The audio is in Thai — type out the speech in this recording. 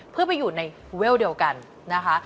เพื่อไปอยู่ในเวลเดียวกันนะคะ